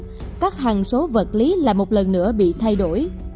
năm hai nghìn hai trăm bảy mươi một các hàng số vật lý là một lần nữa bị thay đổi